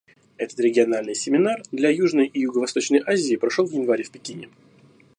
Этот региональный семинар для Южной и Юго-Восточной Азии прошел в январе в Пекине.